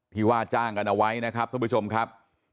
ว่าจ้างกันเอาไว้นะครับท่านผู้ชมครับ